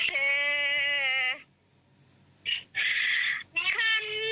เจ้าภูธรรม